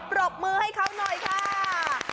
รบมือให้เขาหน่อยค่ะ